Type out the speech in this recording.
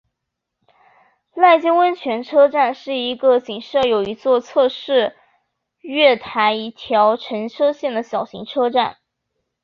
濑见温泉车站是一个仅设有一座侧式月台一条乘车线的小型车站。